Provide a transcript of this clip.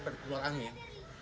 itu keluar angin